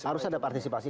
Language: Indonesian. harus ada partisipasi